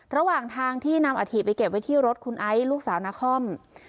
ระหว่างทางที่นำอาถิไปเก็บไว้ที่รถคุณไอซ์ลูกสาวนาคอม